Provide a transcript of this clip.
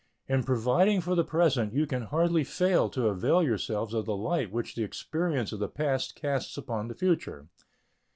In providing for the present you can hardly fail to avail yourselves of the light which the experience of the past casts upon the future.